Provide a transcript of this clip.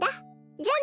じゃあね。